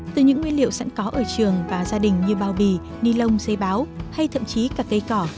từ những nguyên liệu sẵn có ở trường và gia đình như bao bì nilon dây báo hay thậm chí cả cây cỏ